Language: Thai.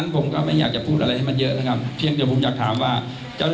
ทำถูกต้องสะพาน